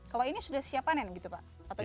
kalau ini sudah siap panen gitu pak